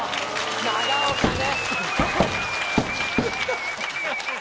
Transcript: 長岡ね。